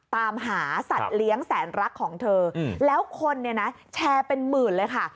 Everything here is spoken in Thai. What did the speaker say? ตามหาสัตว์เลี้ยงแสนรักของเธอแล้วคนเนี่ยนะแชร์เป็นหมื่นเลยค่ะ